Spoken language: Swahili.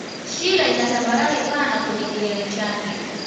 Shira ina tambarare pana kwenye kilele chake